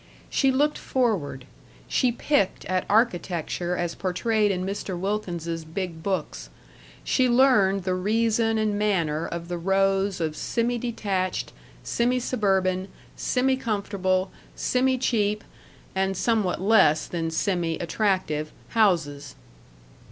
She looked forward; she picked at architecture as portrayed in Mr. Wilkins's big books; she learned the reason and manner of the rows of semi detached, semi suburban, semi comfortable, semi cheap, and somewhat less than semi attractive houses.